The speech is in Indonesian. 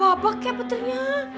gak siap siap apa apa kayak petirnya